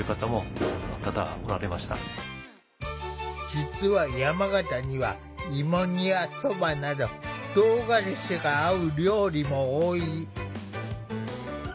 実は山形には芋煮やそばなどとうがらしが合う料理も多い。